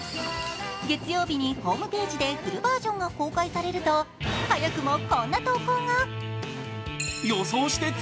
月曜日にホームページでフルバージョンが公開されると早くも、こんな投稿が。